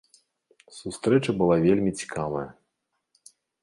Сустрэча была вельмі цікавая.